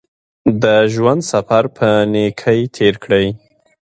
د ژوند سفر په نېکۍ تېر کړئ.